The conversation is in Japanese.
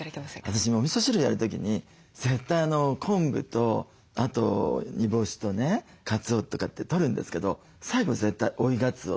私おみそ汁やる時に絶対昆布とあと煮干しとねかつおとかってとるんですけど最後絶対追いがつお。